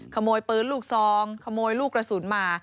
ขโมยปืนลูกซองขโมยลูกกระสุนมา